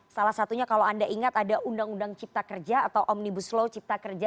salah satunya kalau anda ingat ada undang undang cipta kerja atau omnibus law cipta kerja